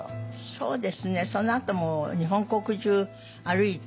そうですねそのあとも日本国中歩いて。